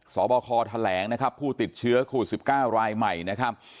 บคแถลงนะครับผู้ติดเชื้อโควิด๑๙รายใหม่นะครับ